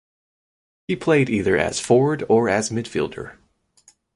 He played either as forward or as midfielder.